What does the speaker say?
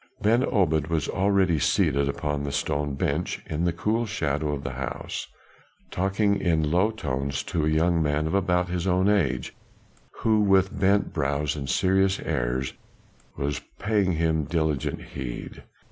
Ben Obed was already seated upon the stone bench in the cool shadow of the house, talking in low tones to a young man of about his own age, who with bent brows and serious air was paying him diligent heed.